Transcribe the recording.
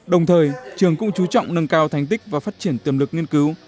đồng thời trường cũng chú trọng nâng cao thành tích và phát triển tiềm lực nghiên cứu